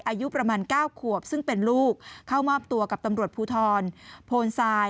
อายุประมาณ๙ขวบซึ่งเป็นลูกเข้ามอบตัวกับตำรวจภูทรโพนทราย